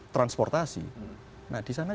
transportasi nah disana